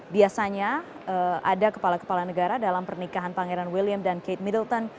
biasanya ada kepala kepala negara dalam pernikahan pangeran william dan kate middleton